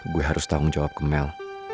gue harus tanggung jawab ke mel